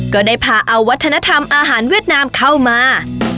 ก็ได้พาเอาวัฒนธรรมอาหารเวียดนามเข้ามา